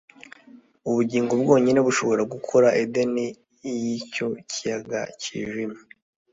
Ubugingo bwonyine bushobora gukora Edeni yicyo kiyaga cyijimye